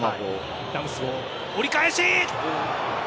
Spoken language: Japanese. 折り返し。